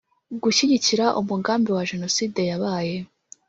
gushyigikira umugambi wa jenoside yabaye